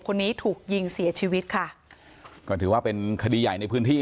คนนี้ถูกยิงเสียชีวิตค่ะก็ถือว่าเป็นคดีใหญ่ในพื้นที่